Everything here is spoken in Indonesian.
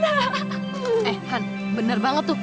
eh han benar banget tuh